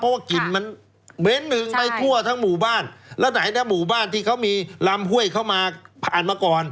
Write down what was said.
เพราะว่ากลิ่นมันเหม็นหนึ่งไปทั่วทั้งหมู่บ้านแล้วไหนนะหมู่บ้านที่เขามีลำห้วยเข้ามาผ่านมาก่อน